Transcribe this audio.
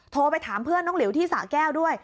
โทรไปถามเพื่อนน้องหลิวที่สะแก้วด้วย